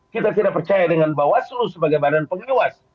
kita tidak percaya dengan bawaslu sebagai badan pengawas